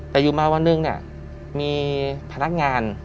แต่อยู่มาวันนึงมีพนักงาน